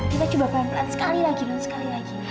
kita coba pelan pelan sekali lagi sekali lagi